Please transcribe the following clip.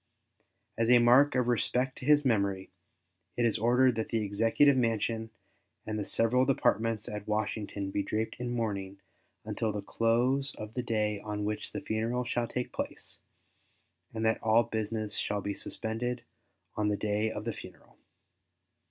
As a mark of respect to his memory, it is ordered that the Executive Mansion and the several Departments at Washington be draped in mourning until the close of the day on which the funeral shall take place, and that all business be suspended on the day of the funeral.